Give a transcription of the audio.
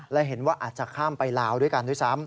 และเห็นว่าอาจจะข้ามไปลาวด้วยกันด้วยซ้ำ